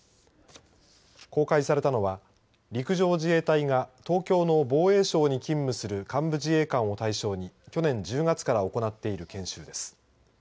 公開されたのは陸上自衛隊が東京の防衛省に勤務する幹部自衛官を対象に去年１０月から行っている研修です。